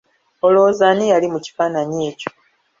Olowooza ani yali mu kifaanaanyi ekyo?